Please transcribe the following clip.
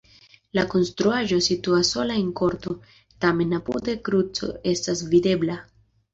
La konstruaĵo situas sola en korto, tamen apude kruco estas videbla.